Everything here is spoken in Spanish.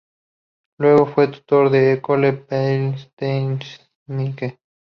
Luego, fue tutor de la École polytechnique.